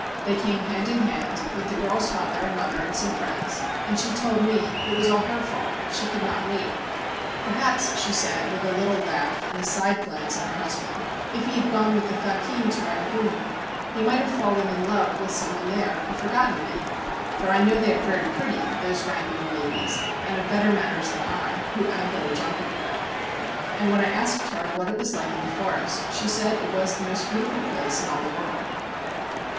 They came hand in hand, with the girl's father and mother and some friends, and she told me it was all her fault: she could not wait. 'Perhaps,' she said, with a little laugh and a side glance at her husband 'perhaps, if he had gone with the thakin to Rangoon, he might have fallen in love with someone there and forgotten me; for I know they are very pretty, those Rangoon ladies, and of better manners than I, who am but a jungle girl.' And when I asked her what it was like in the forest, she said it was the most beautiful place in all the world.